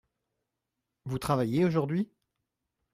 Vous travaillez aujourd’hui ?